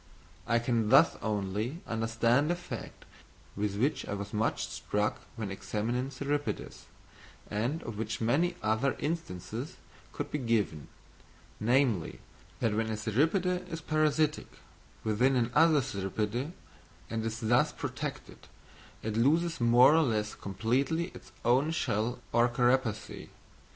I can thus only understand a fact with which I was much struck when examining cirripedes, and of which many other instances could be given: namely, that when a cirripede is parasitic within another cirripede and is thus protected, it loses more or less completely its own shell or carapace.